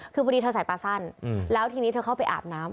คือพอดีเธอใส่ตาสั้นแล้วทีนี้เธอเข้าไปอาบน้ำ